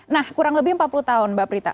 nah kurang lebih empat puluh tahun mbak prita